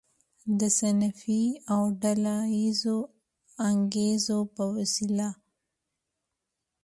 د صنفي او ډله ییزو انګیزو په وسیله.